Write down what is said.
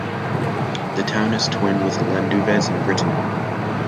The town is twinned with Landunvez in Brittany.